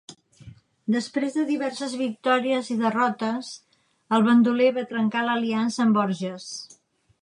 Després de diverses victòries i derrotes, el bandoler va trencar l'aliança amb Borges.